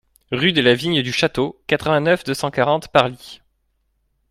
Rue de la Vigne du Château, quatre-vingt-neuf, deux cent quarante Parly